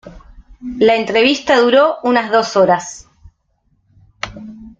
La entrevista duró unas dos horas.